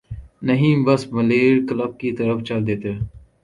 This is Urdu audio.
نہیں بس ملیر کلب کی طرف چل دیتے۔